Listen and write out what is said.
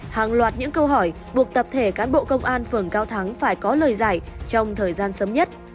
hàng loạt những câu hỏi buộc tập thể cán bộ công an phường cao thắng phải có lời giải trong thời gian sớm nhất